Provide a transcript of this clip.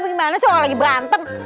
gimana sih orang lagi berantem